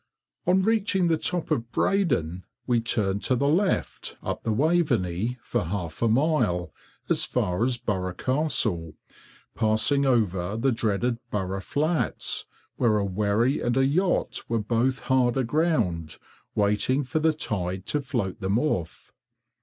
On reaching the top of Breydon, we turned to the left, up the Waveney, for half a mile, as far as Burgh Castle, passing over the dreaded Burgh flats, where a wherry and a yacht were both hard aground, waiting for the tide to float them off.